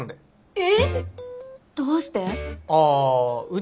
え。